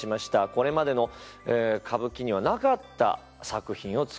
これまでの歌舞伎にはなかった作品を作っていく。